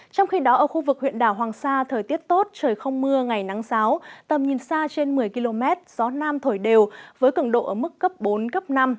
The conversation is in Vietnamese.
trong khi đó ở khu vực huyện đảo hoàng sa thời tiết tốt trời không mưa ngày nắng sáo tầm nhìn xa trên một mươi km gió nam thổi đều với cứng độ ở mức cấp bốn cấp năm